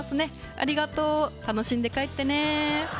ありがとう楽しんで帰ってね